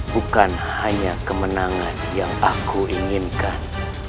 bukan hanya kemenangan yang aku inginkan